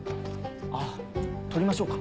あっ取りましょうか？